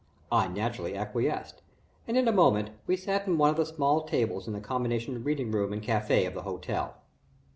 I naturally acquiesced, and in a moment we sat at one of the small tables in the combination reading room and café of the hotel.